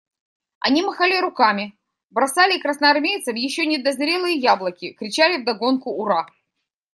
Они махали руками, бросали красноармейцам еще недозрелые яблоки, кричали вдогонку «ура».